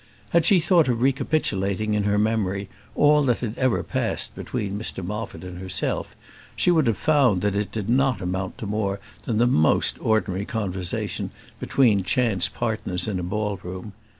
Had she thought of recapitulating in her memory all that had ever passed between Mr Moffat and herself, she would have found that it did not amount to more than the most ordinary conversation between chance partners in a ball room.